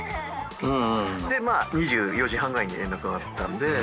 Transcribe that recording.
２４時半ぐらいに連絡があったんで。